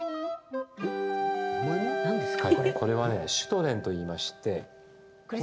何ですか？